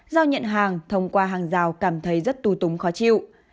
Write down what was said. rào nhận hàng thông qua hàng rào cảm thấy rất tu túng khó chịu